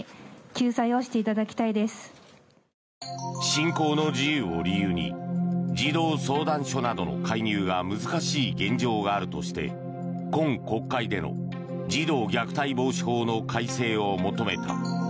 信仰の自由を理由に児童相談所などの介入が難しい現状があるとして今国会での児童虐待防止法の改正を求めた。